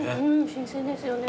新鮮ですよね。